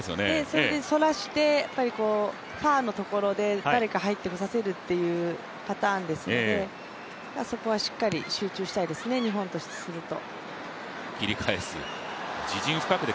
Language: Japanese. それでそらして、ファーのところで誰か入って打たせるというパターンですのでそこはしっかり集中したいですね、日本とすると。